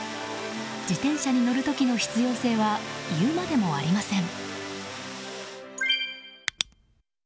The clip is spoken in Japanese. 自転車に乗る時の必要性は言うまでもありません。